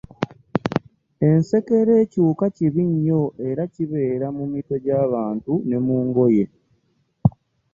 Ensekere kiwuka kibi nnyo era kibeera mu mitwe gyabantu ne mu ngoye.